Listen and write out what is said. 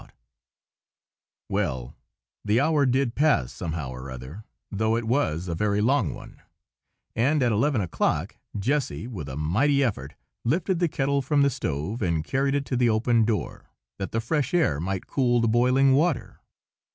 Well, the hour did pass, somehow or other, though it was a very long one; and at eleven o'clock, Jessy, with a mighty effort, lifted the kettle from the stove and carried it to the open door, that the fresh air might cool the boiling water.